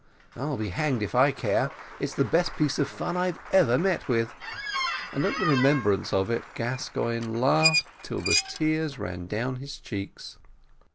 I'll be hanged if I care, it's the best piece of fun I ever met with." And at the remembrance of it Gascoigne laughed till the tears ran down his cheeks.